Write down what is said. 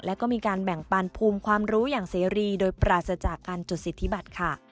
แล้วก็มีการแบ่งปันภูมิความรู้อย่างเสรีโดยปราศจากการจดสิทธิบัติค่ะ